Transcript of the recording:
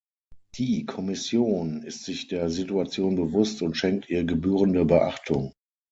Die Kommission ist sich der Situation bewusst und schenkt ihr gebührende Beachtung.